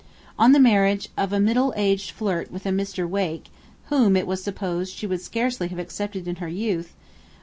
ON THE MARRIAGE OF A MIDDLE AGED FLIRT WITH A MR. WAKE, WHOM, IT WAS SUPPOSED, SHE WOULD SCARCELY HAVE ACCEPTED IN HER YOUTH.